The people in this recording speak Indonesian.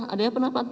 lima adanya penampak